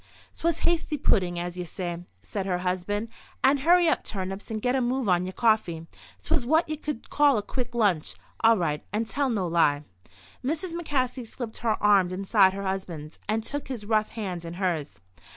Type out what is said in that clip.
"'Twas hasty puddin', as ye say," said her husband, "and hurry up turnips and get a move on ye coffee. 'Twas what ye could call a quick lunch, all right, and tell no lie." Mrs. McCaskey slipped her arm inside her husband's and took his rough hand in hers.